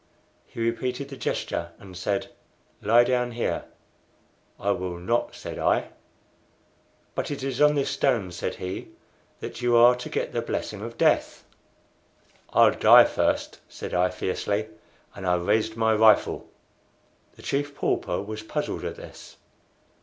He repeated the gesture and said, "Lie down here." "I will not," said I. "But it is on this stone," said he, "that you are to get the blessing of death." "I'll die first!" said I, fiercely, and I raised my rifle. The Chief Pauper was puzzled at this.